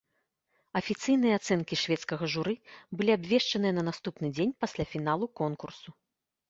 Афіцыйныя ацэнкі шведскага журы былі абвешчаныя на наступны дзень пасля фіналу конкурсу.